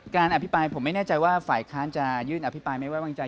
อภิปรายผมไม่แน่ใจว่าฝ่ายค้านจะยื่นอภิปรายไม่ไว้วางใจ